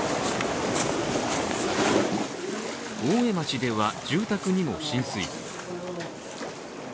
大江町では住宅にも浸水。